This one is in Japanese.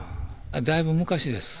だいぶ昔です。